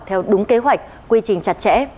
theo đúng kế hoạch quy trình chặt chẽ